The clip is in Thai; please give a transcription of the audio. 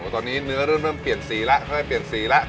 อ๋อตอนนี้เนื้อเริ่มเปลี่ยนสีแล้ว